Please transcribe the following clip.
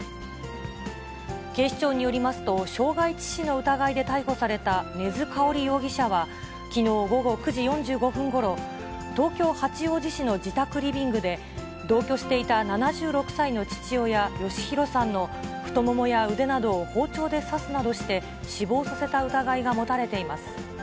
警視庁によりますと、傷害致死の疑いで逮捕された根津かおり容疑者は、きのう午後９時４５分ごろ、東京・八王子市の自宅リビングで、同居していた７６歳の父親、嘉弘さんの太ももや腕などを包丁で刺すなどして、死亡させた疑いが持たれています。